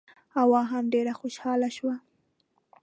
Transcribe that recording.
حوا هم ډېره خوشاله شوه.